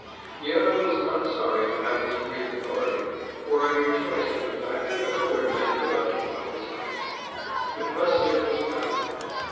Yet I was not sorry to have this brief authority, for I rejoiced in the fact that a colored man could occupy this height. The precedent was valuable.